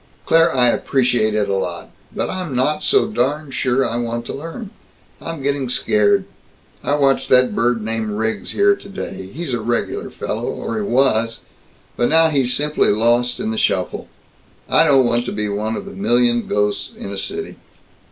"Claire, I appreciate it a lot but I'm not so darn sure I want to learn. I'm getting scared. I watched that bird named Riggs here today. He's a regular fellow, or he was, but now he's simply lost in the shuffle. I don't want to be one of the million ghosts in a city.